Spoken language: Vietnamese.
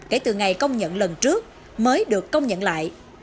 kể từ ngày công nhận lần trước mới được công nhận lại